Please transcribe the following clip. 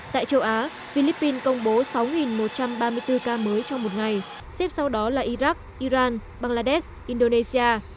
tại châu á philippines công bố sáu một trăm ba mươi bốn ca mới trong một ngày xếp sau đó là iraq iran bangladesh indonesia